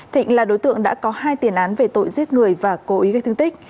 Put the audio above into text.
thịnh là đối tượng đã có hai tiền án về tội giết người và cố ý gây thương tích